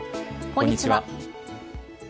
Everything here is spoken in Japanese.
こんにちは。